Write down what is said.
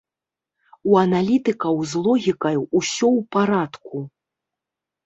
У аналітыкаў з логікай усё ў парадку.